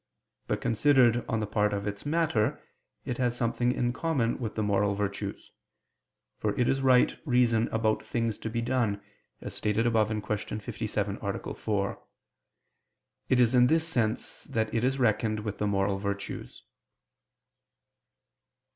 But considered on the part of its matter, it has something in common with the moral virtues: for it is right reason about things to be done, as stated above (Q. 57, A. 4). It is in this sense that it is reckoned with the moral virtues.